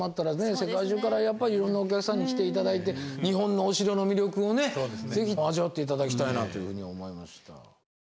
世界中からやっぱりいろんなお客様に来て頂いて日本のお城の魅力をね是非味わって頂きたいなというふうに思いました。